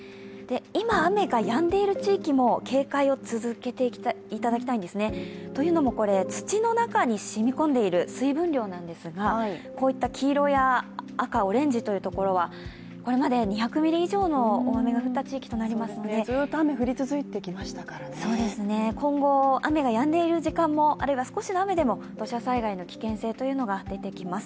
今、雨がやんでいる地域も警戒を続けていただきたいんですね。というのも土の中にしみこんでいる水分量なんですがこういった黄色や赤、オレンジというところはこれまで２００ミリ以上の大雨が降った地域になりますので今後、雨がやんでいる時間もまた、少しの雨でも土砂災害の危険性というのが出てきます。